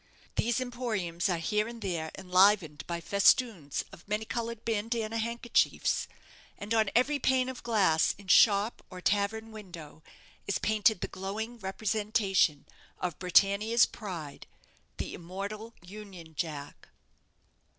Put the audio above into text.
These emporiums are here and there enlivened by festoons of many coloured bandana handkerchief's; and on every pane of glass in shop or tavern window is painted the glowing representation of Britannia's pride, the immortal Union Jack.